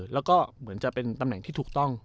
แล้วก็เหมือนจะเป็นตำแหน่งที่ถูกต้อง